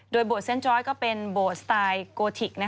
โดยโบสถ์เซ็นต์จอยด์ก็เป็นโบสถ์สไตล์โกทิก